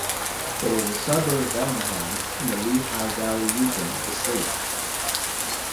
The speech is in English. It is a suburb of Allentown, in the Lehigh Valley region of the state.